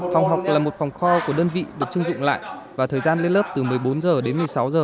phòng học là một phòng kho của đơn vị được chưng dụng lại và thời gian lên lớp từ một mươi bốn h đến một mươi sáu h